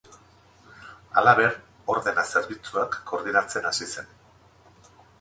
Halaber, ordena-zerbitzuak koordinatzen hasi zen.